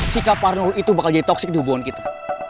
sikap arnur itu bakal jadi toksik di hubungan kita